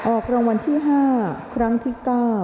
ออกรางวัลที่๕ครั้งที่๙